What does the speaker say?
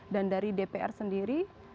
dan dari dpr sendiri